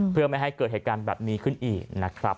เพื่อไม่ให้เกิดเหตุการณ์แบบนี้ขึ้นอีกนะครับ